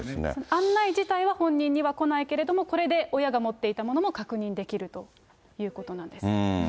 案内自体は本人には来ないけれども、これで親が持っていたものも確認できるということなんです。